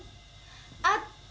あった！